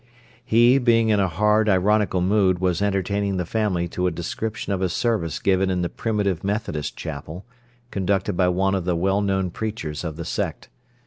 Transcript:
He, being in a hard, ironical mood, was entertaining the family to a description of a service given in the Primitive Methodist Chapel, conducted by one of the well known preachers of the sect.